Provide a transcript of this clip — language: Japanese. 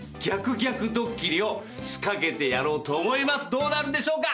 どうなるんでしょうか？